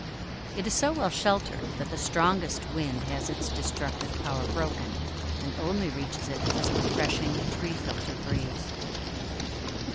It is so well sheltered that the strongest wind has its destructive power broken, and only reaches it as a refreshing tree filtered breeze.